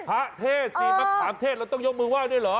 มะขามเทศเราต้องยกมือไหว้ด้วยเหรอ